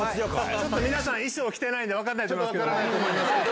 ちょっと皆さん、衣装着てないんで、分からないと思いますけど。